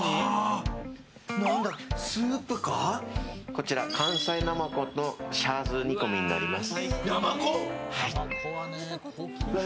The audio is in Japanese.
こちら、関西ナマコとシャーズー煮込みになります。